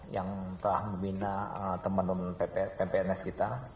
yang telah membina teman teman ppns kita